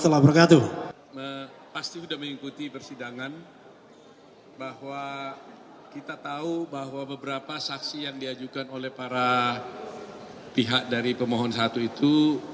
pasti sudah mengikuti persidangan bahwa kita tahu bahwa beberapa saksi yang diajukan oleh para pihak dari pemohon satu itu